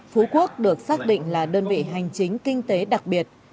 phú quốc được xác định là đơn vị hành chính kinh tế đặc biệt